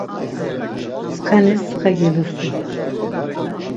Ntsxenis xe gelusu.